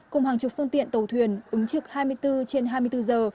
cùng hàng chục phương tiện tàu thuyền ứng trực hai mươi bốn trên hai mươi bốn giờ